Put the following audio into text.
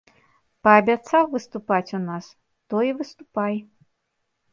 Паабяцаў выступаць у нас, то і выступай.